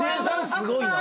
すごいな。